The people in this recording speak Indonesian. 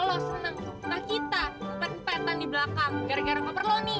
lo seneng kita kita tempet tempetan di belakang gara gara kopernya lo nih